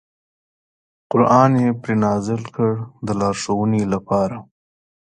قران یې پرې نازل کړ د لارښوونې لپاره.